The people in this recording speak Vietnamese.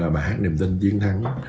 bài hát niềm tin chiến thắng